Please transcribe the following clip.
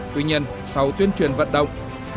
tuy nhiên sau tuyên truyền vận động